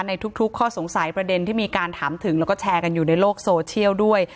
ในทุกข้อสงสัยประเด็นที่มีการถามถึงแล้วก็แชร์กันอยู่ในโลกโซเชียลด้วย